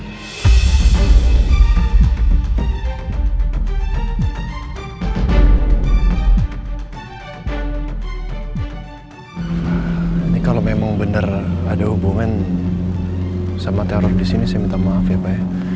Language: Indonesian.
ini kalau memang benar ada hubungan sama teror di sini saya minta maaf ya pak ya